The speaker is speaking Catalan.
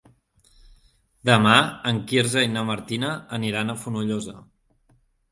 Demà en Quirze i na Martina aniran a Fonollosa.